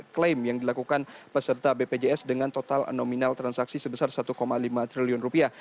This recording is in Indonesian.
dua dua ratus delapan puluh empat klaim yang dilakukan peserta bpjs dengan total nominal transaksi sebesar satu lima triliun rupiah